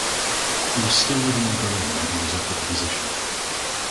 He was still living in Berlin when he was offered the position.